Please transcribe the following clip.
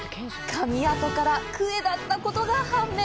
かみ跡から、クエだったことが判明！